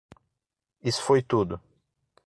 Isso foi tudo.